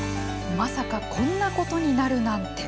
まさかこんなことになるなんて。